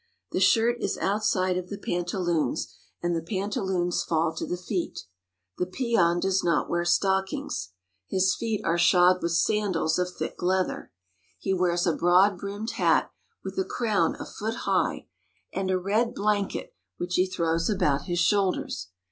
The shirt is outside of the pantaloons, and the pantaloons fall to the feet. The peon does not wear stockings. His THE PEONS. 341 feet are shod with sandals of thick leather. He wears a broad brimmed hat with a crown a foot hieh, and a red blanket, which he throws about his shoulders.